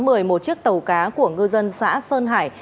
một chiếc tàu cá của ngư dân xã sơn hải